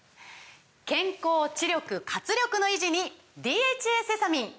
健康・知力・活力の維持に「ＤＨＡセサミン」！